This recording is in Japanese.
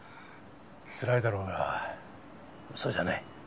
つらいだろうが嘘じゃない。